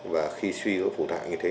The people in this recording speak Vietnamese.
và khi suy các phủ tạng như thế